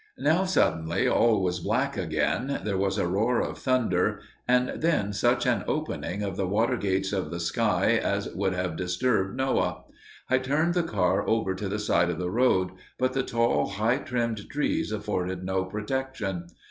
Now suddenly all was black again, there was a roar of thunder, and then such an opening of the water gates of the sky as would have disturbed Noah. I turned the car over to the side of the road, but the tall, high trimmed trees afforded no protection.